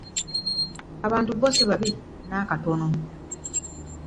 Abantu abo si babi n'akatono.